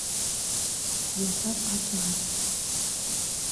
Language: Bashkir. Зинһар, асығыҙ!